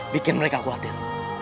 bikin mereka khawatir